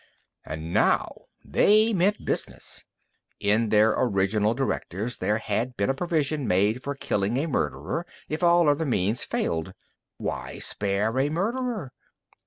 And now they meant business. In their original directives there had been a provision made for killing a murderer, if all other means failed. Why spare a murderer?